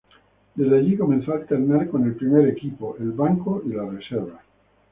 Desde allí comenzó a alternar con el Primer equipo, el banco y la Reserva.